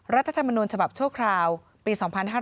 รัฐธรรมนูญฉบับชั่วคราวปี๒๕๕๙